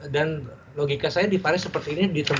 dan logika saya di paris seperti ini